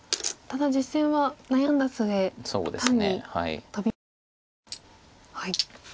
ただ実戦は悩んだ末単にトビましたね。